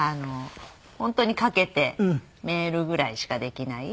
本当にかけてメールぐらいしかできない。